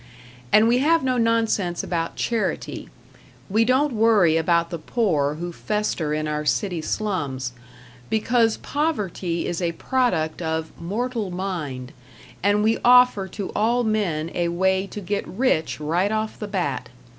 And we have no nonsense about charity, we don't worry about the poor who fester in our city slums; because poverty is a product of Mortal Mind, and we offer to all men a way to get rich right off the bat.